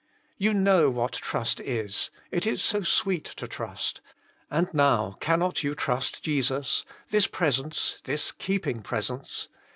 " You know what trust is. It is so sweet to trust. And now cannot you trust Jesus ; this pres ence, this keeping presence